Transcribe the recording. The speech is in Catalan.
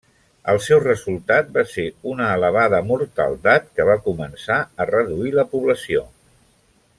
El seu resultat va ser una elevada mortaldat que va començar a reduir la població.